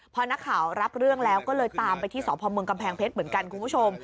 พอนักข่าวรับเรื่องแล้วก็เลยตามไปที่สพเมืองกำแพงเพชรเหมือนกันคุณผู้ชม